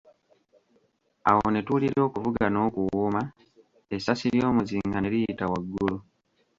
Awo ne tuwulira okuvuga n'okuwuuma, essasi ly'omuzinga ne liyita waggulu.